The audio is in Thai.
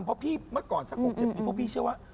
เพราะพี่เมื่อก่อนสัก๖๗ปีพวกพี่เชื่อว่า